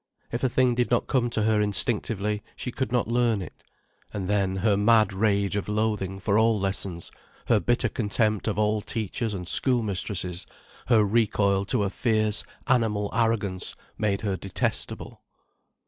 If a thing did not come to her instinctively, she could not learn it. And then, her mad rage of loathing for all lessons, her bitter contempt of all teachers and schoolmistresses, her recoil to a fierce, animal arrogance made her detestable.